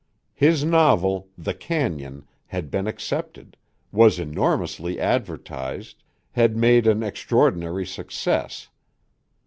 His novel, "The Cañon," had been accepted, was enormously advertised, had made an extraordinary success.